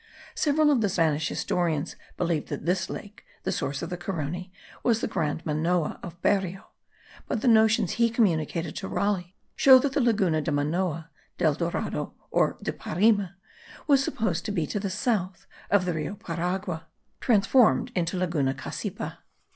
Several of the Spanish historians believed that this lake, the source of the Carony, was the Grand Manoa of Berrio; but the notions he communicated to Raleigh show that the Laguna de Manoa (del Dorado, or de Parime) was supposed to be to the south of the Rio Paragua, transformed into Laguna Cassipa.